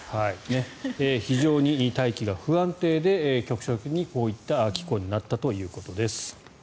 非常に大気が不安定で局所的にこういった気候になったということです。